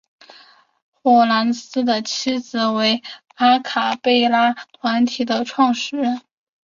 霍蓝斯的妻子为阿卡贝拉团体创始人。